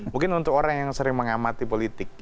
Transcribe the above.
mungkin untuk orang yang sering mengamati politik